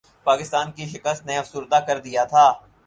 پاکستان کی شکست نے افسردہ کردیا تھا